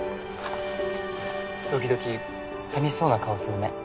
時々寂しそうな顔するね。